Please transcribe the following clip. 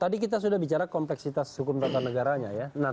tadi kita sudah bicara kompleksitas hukum tata negaranya ya